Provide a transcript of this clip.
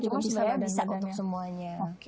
bisa ya untuk semuanya